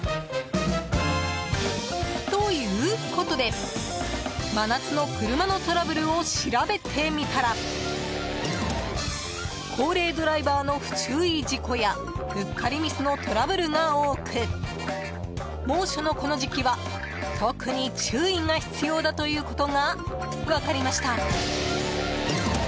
ということで、真夏の車のトラブルを調べてみたら高齢ドライバーの不注意事故やうっかりミスのトラブルが多く猛暑のこの時期は特に注意が必要だということが分かりました。